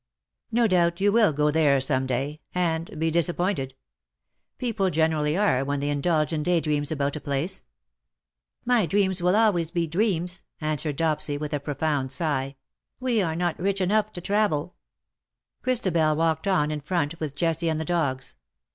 " No doubt you will go there some day — and be q2 228 disappointed. People generally are when they indulge in day dreams about a place/^ " My dreams will always be dreams/^ answered Dopsy_, with a profound sigh :'^ we are not rich enough to travel/' Christabel walked on in front with Jessie and the dogs.